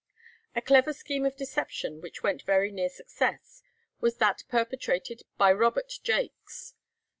A clever scheme of deception which went very near success was that perpetrated by Robert Jaques.